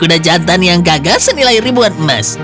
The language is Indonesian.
kuda jantan yang gagas senilai ribuan emas